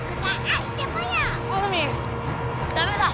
ダメだ！